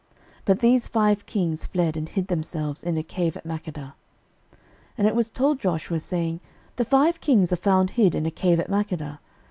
06:010:016 But these five kings fled, and hid themselves in a cave at Makkedah. 06:010:017 And it was told Joshua, saying, The five kings are found hid in a cave at Makkedah.